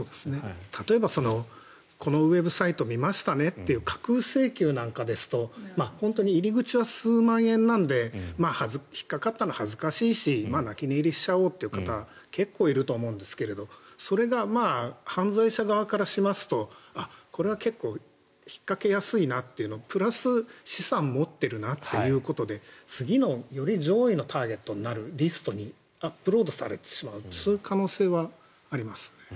例えばこのウェブサイトを見ましたねっていう架空請求なんかですと本当に入り口は数万円なので引っかかったの恥ずかしいし泣き寝入りしちゃおうという方結構いると思うんですけどそれが犯罪者側からしますとこれは結構、引っかけやすいなというのプラス資産を持っているなということで次のより上位のターゲットになるリストにアップロードされてしまうという可能性はあります。